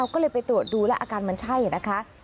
ก็เลยไปตรวจดูแล้วอาการมันใช่นะคะ